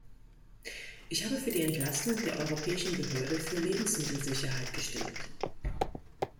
Ich habe für die Entlastung der Europäischen Behörde für Lebensmittelsicherheit gestimmt.